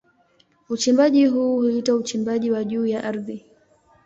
Uchimbaji huu huitwa uchimbaji wa juu ya ardhi.